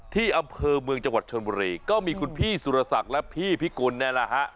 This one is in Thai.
ที่อำเภอเมืองจังหวัดชนบุรีก็มีคุณพี่สุรศักดิ์และพี่พิกุลนี่แหละฮะ